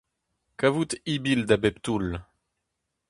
Kavout ibil da bep toull.